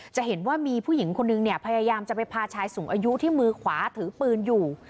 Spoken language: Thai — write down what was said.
จะเห็นว่ามีผู้หญิงคนนึงเนี่ยพยายามจะไปพาชายสูงอายุที่มือขวาถือปืนอยู่